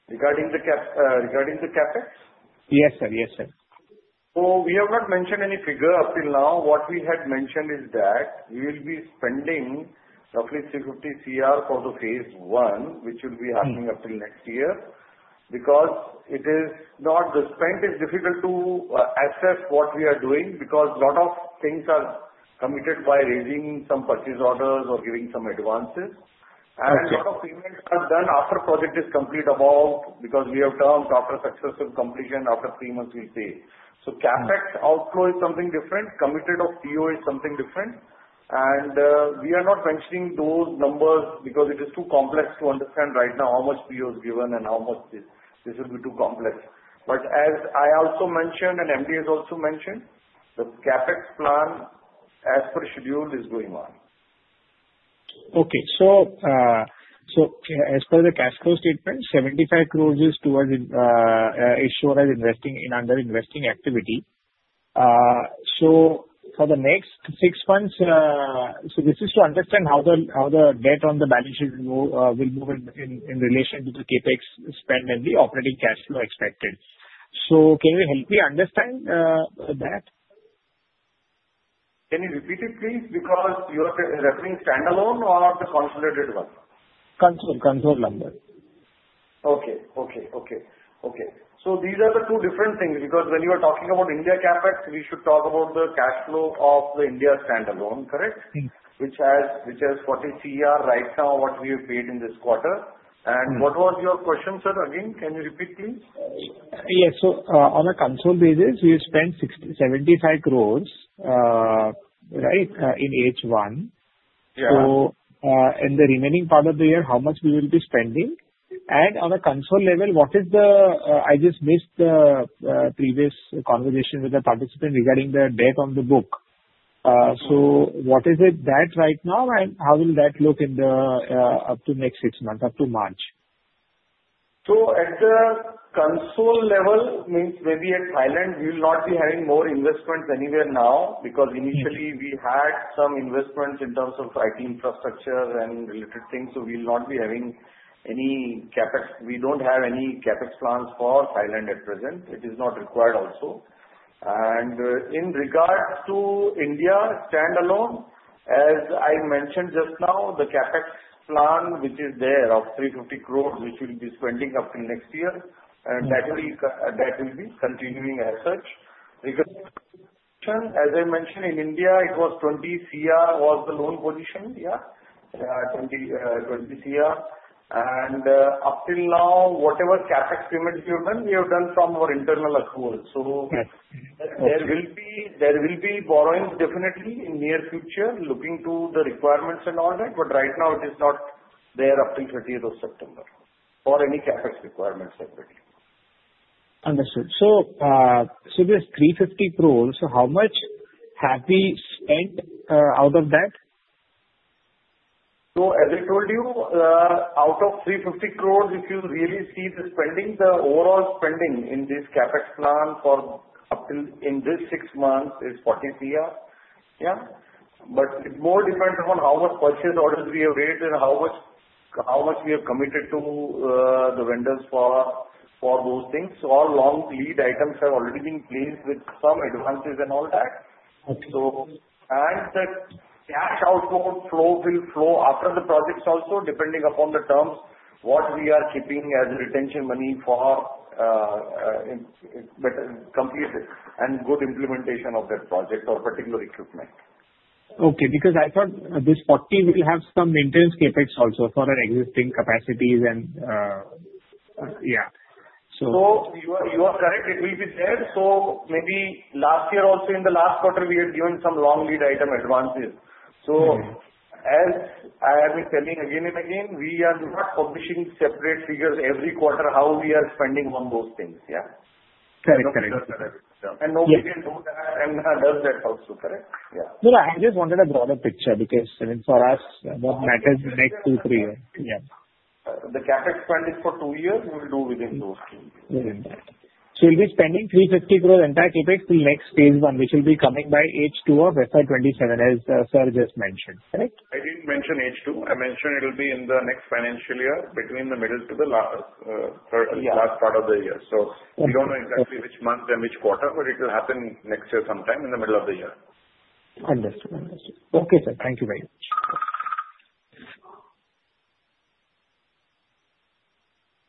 Regarding the capex? Yes, sir. Yes, sir. We have not mentioned any figure up till now. What we had mentioned is that we will be spending roughly 350 crores for the phase one, which will be happening up till next year because it is not the spend is difficult to assess what we are doing because a lot of things are committed by raising some purchase orders or giving some advances. And a lot of payments are done after project is complete about because we have terms after successful completion, after three months we pay. So capex outflow is something different. Committed of PO is something different. And we are not mentioning those numbers because it is too complex to understand right now how much PO is given and how much this will be too complex. But as I also mentioned and MD has also mentioned, the capex plan as per schedule is going on. Okay. As per the cash flow statement, 75 crore is towards insurance under investing activity. For the next six months, this is to understand how the debt on the balance sheet will move in relation to the Capex spend and the operating cash flow expected. Can you help me understand that? Can you repeat it, please? Because you are referring standalone or the consolidated one? Consolidated. Okay. So these are the two different things because when you are talking about India capex, we should talk about the cash flow of the India standalone, correct? Which has 40 crores right now, what we have paid in this quarter. What was your question, sir? Again, can you repeat, please? Yes. So on a consolidated basis, we spend 75 crores, right, in H1. So in the remaining part of the year, how much we will be spending? And on a consolidated level, what is the debt? I just missed the previous conversation with the participant regarding the debt on the books. So what is it right now, and how will that look up to next six months, up to March? At the consolidated level, means maybe at Thailand, we will not be having more investments anywhere now because initially, we had some investments in terms of IT infrastructure and related things. We will not be having any capex. We don't have any capex plans for Thailand at present. It is not required also. In regards to India standalone, as I mentioned just now, the capex plan, which is there of 350 crore, which we will be spending up till next year, that will be continuing as such. As I mentioned, in India, it was 20 crore was the loan position, yeah? 20 crore. Up till now, whatever capex payments we have done, we have done from our internal accrual. There will be borrowing definitely in near future, looking to the requirements and all that. But right now, it is not there up till 30th of September for any capex requirements separately. Understood. So there's 350 crores. So how much have we spent out of that? So as I told you, out of 350 crores, if you really see the spending, the overall spending in this capex plan for up till in these six months is 40 crore, yeah? But it's more dependent on how much purchase orders we have raised and how much we have committed to the vendors for those things. So all long lead items have already been placed with some advances and all that. And the cash outflow will flow after the projects also, depending upon the terms, what we are keeping as retention money for complete and good implementation of that project or particular equipment. Okay. Because I thought this 40 will have some maintenance capex also for our existing capacities and yeah. So you are correct. It will be there. So maybe last year also, in the last quarter, we had given some long lead item advances. So as I have been telling again and again, we are not publishing separate figures every quarter how we are spending on those things, yeah? Correct. Correct. Nobody can do that and does that also, correct? Yeah. No, no. I just wanted a broader picture because for us, what matters next two, three years. Yeah. The capex spend is for two years. We will do within those two. So we'll be spending 350 crores entire capex till next phase one, which will be coming by H2 of FY 2027, as sir just mentioned, correct? I didn't mention H2. I mentioned it will be in the next financial year between the middle to the last part of the year. We don't know exactly which month and which quarter, but it will happen next year sometime in the middle of the year. Understood. Understood. Okay, sir. Thank you very much.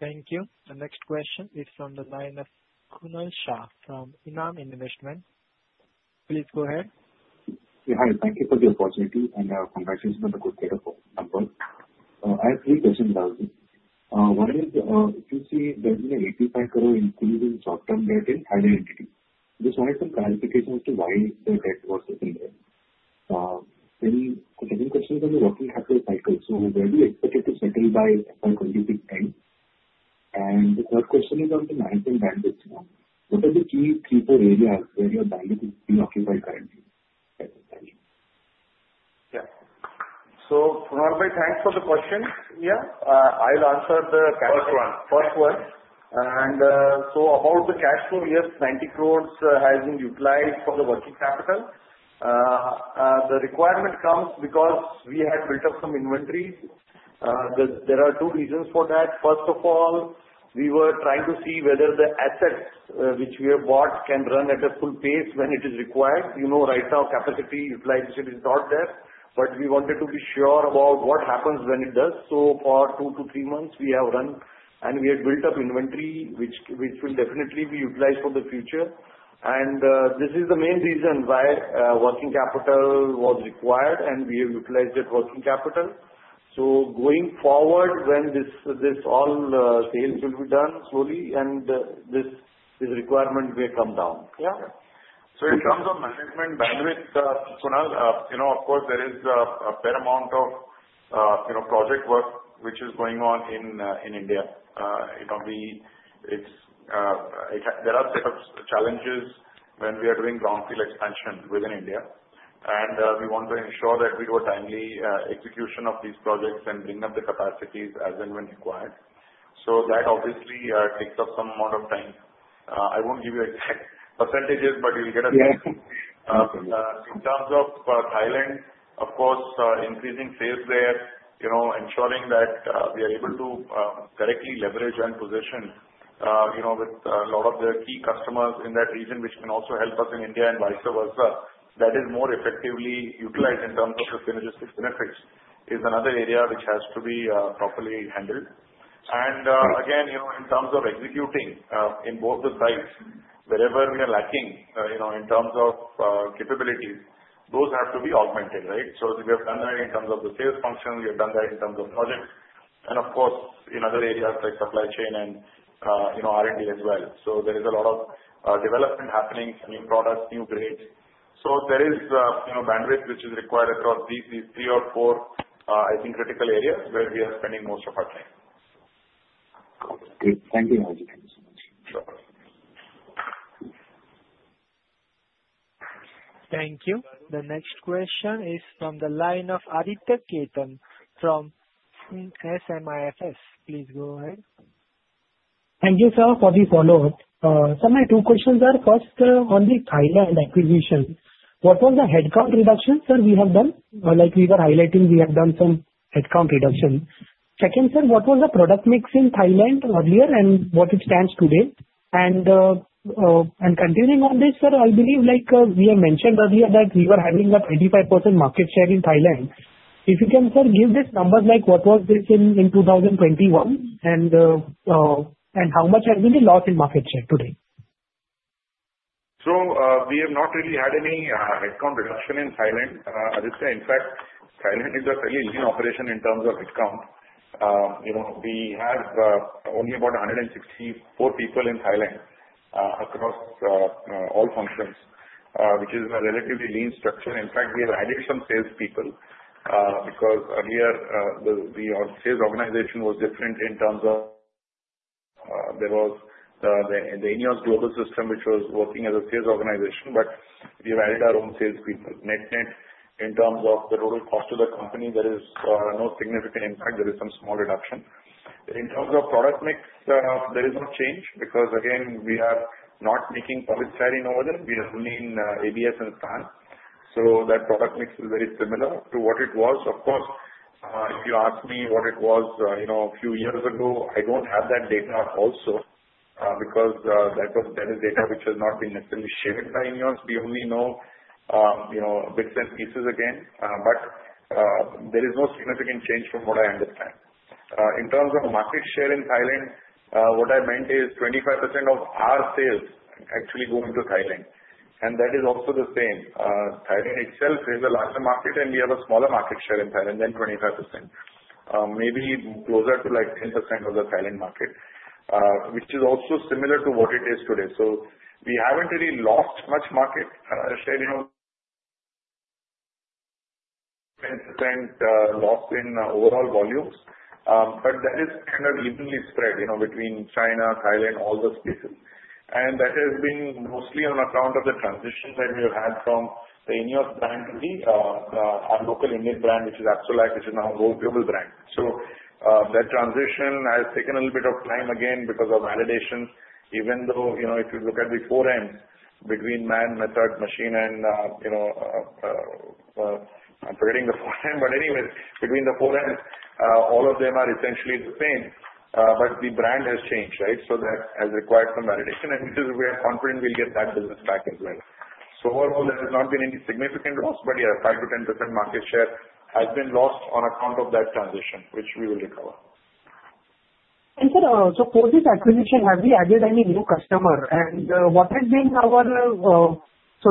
Thank you. The next question is from the line of Krunal Shah from Enam Investment. Please go ahead. Yeah. Hi. Thank you for the opportunity. And congratulations on the good number, I have three questions. One is, if you see there is an INR 85 crores increase in short-term debt in added entities, I just wanted some clarification as to why the debt was increased. Then the second question is on the working capital cycle. So where do you expect it to settle by FY 2026 end? And the third question is on the management bandwidth. What are the key three or four areas where your bandwidth is being occupied currently? Thank you. Yeah, so Krunal Shah, thanks for the question. Yeah. I'll answer the first one, and so about the cash flow, yes, 90 crores has been utilized for the working capital. The requirement comes because we had built up some inventory. There are two reasons for that. First of all, we were trying to see whether the assets which we have bought can run at a full pace when it is required. You know right now, capacity utilization is not there, but we wanted to be sure about what happens when it does, so for two to three months, we have run and we have built up inventory, which will definitely be utilized for the future, and this is the main reason why working capital was required, and we have utilized that working capital, so going forward, when this all sales will be done slowly, and this requirement will come down. Yeah? In terms of management bandwidth, Krunal, of course, there is a fair amount of project work which is going on in India. There are setup challenges when we are doing greenfield expansion within India. We want to ensure that we do a timely execution of these projects and bring up the capacities as and when required. That obviously takes up some amount of time. I won't give you exact percentages, but you'll get a sense of it. In terms of Thailand, of course, increasing sales there, ensuring that we are able to correctly leverage and position with a lot of the key customers in that region, which can also help us in India and vice versa, that is more effectively utilized in terms of the synergistic benefits is another area which has to be properly handled. Again, in terms of executing in both the sides, wherever we are lacking in terms of capabilities, those have to be augmented, right? So we have done that in terms of the sales function. We have done that in terms of projects. And of course, in other areas like supply chain and R&D as well. So there is a lot of development happening, new products, new grades. So there is bandwidth which is required across these three or four, I think, critical areas where we are spending most of our time. Great. Thank you. Thank you. The next question is from the line of Aditya Khetan from SMIFS. Please go ahead. Thank you, sir, for the follow-up. Sir, my two questions are, first, on the Thailand acquisition. What was the headcount reduction, sir, we have done? Like we were highlighting, we have done some headcount reduction. Second, sir, what was the product mix in Thailand earlier and what it stands today? And continuing on this, sir, I believe we have mentioned earlier that we were having a 25% market share in Thailand. If you can, sir, give this number, like what was this in 2021, and how much has been the loss in market share today? So we have not really had any headcount reduction in Thailand, Aditya. In fact, Thailand is a fairly lean operation in terms of headcount. We have only about 164 people in Thailand across all functions, which is a relatively lean structure. In fact, we have added some salespeople because earlier, our sales organization was different in terms of there was the INEOS global system, which was working as a sales organization, but we have added our own salespeople. Net net, in terms of the total cost to the company, there is no significant impact. There is some small reduction. In terms of product mix, there is no change because, again, we are not making polystyrene over there. We are only in ABS and SAN. So that product mix is very similar to what it was. Of course, if you ask me what it was a few years ago, I don't have that data also because that is data which has not been necessarily shared by INEOS. We only know bits and pieces again. But there is no significant change from what I understand. In terms of market share in Thailand, what I meant is 25% of our sales actually go into Thailand. And that is also the same. Thailand itself is a larger market, and we have a smaller market share in Thailand than 25%. Maybe closer to like 10% of the Thailand market, which is also similar to what it is today. So we haven't really lost much market share, 10% loss in overall volumes. But that is kind of evenly spread between China, Thailand, all those places. And that has been mostly on account of the transition that we have had from the INEOS brand to the local Indian brand, which is Absolac, which is now a global brand. So that transition has taken a little bit of time again because of validation. Even though if you look at the 4Ms between man, method, machine, and I'm forgetting the 4Ms, but anyway, between the 4Ms, all of them are essentially the same. But the brand has changed, right? So that has required some validation, and we are confident we'll get that business back as well. So overall, there has not been any significant loss, but yeah, 5%-10% market share has been lost on account of that transition, which we will recover. Sir, so for this acquisition, have we added any new customer? And what has been our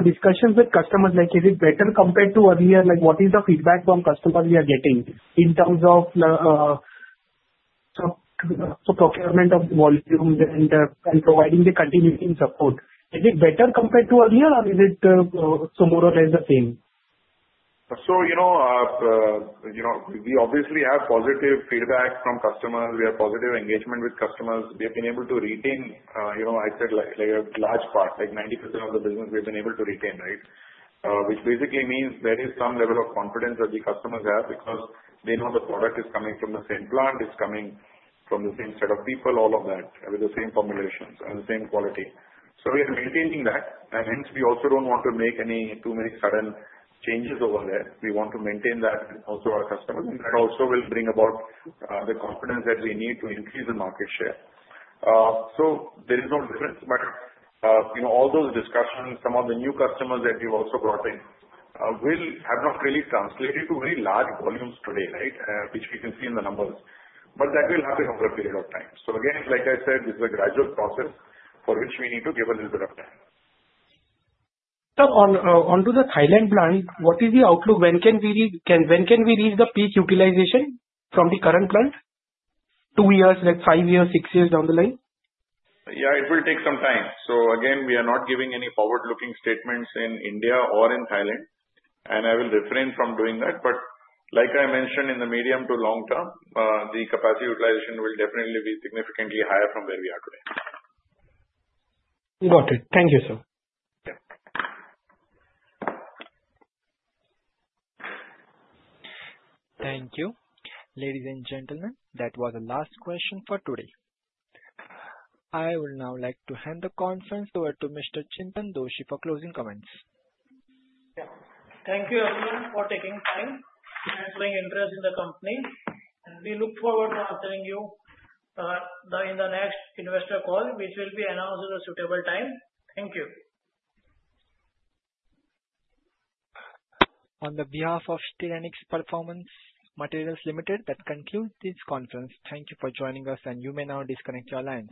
discussions with customers? Like, is it better compared to earlier? Like, what is the feedback from customers we are getting in terms of procurement of volumes and providing the continuing support? Is it better compared to earlier, or is it more or less the same? We obviously have positive feedback from customers. We have positive engagement with customers. We have been able to retain, I said, a large part, like 90% of the business we have been able to retain, right? Which basically means there is some level of confidence that the customers have because they know the product is coming from the same plant, it's coming from the same set of people, all of that, with the same formulations and the same quality. We are maintaining that. And hence, we also don't want to make any too many sudden changes over there. We want to maintain that also our customers. And that also will bring about the confidence that we need to increase the market share. There is no difference. But all those discussions, some of the new customers that we've also brought in, will have not really translated to very large volumes today, right? Which we can see in the numbers. But that will happen over a period of time. So again, like I said, this is a gradual process for which we need to give a little bit of time. Sir, onto the Thailand plant, what is the outlook? When can we reach the peak utilization from the current plant? Two years, like five years, six years down the line? Yeah, it will take some time. So again, we are not giving any forward-looking statements in India or in Thailand. And I will refrain from doing that. But like I mentioned, in the medium to long term, the capacity utilization will definitely be significantly higher from where we are today. Got it. Thank you, sir. Yeah. Thank you. Ladies and gentlemen, that was the last question for today. I would now like to hand the conference over to Mr. Chintan Doshi for closing comments. Yeah. Thank you everyone for taking time and showing interest in the company. And we look forward to answering you in the next investor call, which will be announced at a suitable time. Thank you. On behalf of Styrenix Performance Materials Limited, that concludes this conference. Thank you for joining us, and you may now disconnect your lines.